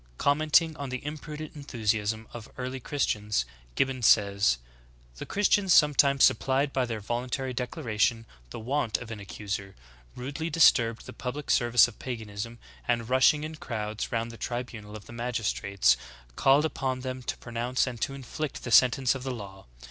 4. Commenting on the imprudent enthusiasm of the ear ly Christians, Gibbon says : '*The Christians sometimes supplied by their voluntary declaration the want of an ac cuser, rudely disturbed the public service of paganism, and, rushing in crowds round the tribunal of the magistrates, called upon them to pronounce and to inflict the sentence of the law.